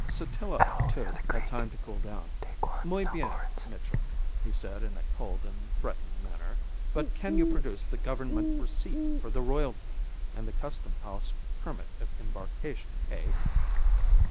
Sotillo, too, had time to cool down. "Muy bien, Mitchell," he said in a cold and threatening manner. "But can you produce the Government receipt for the royalty and the Custom House permit of embarkation, hey?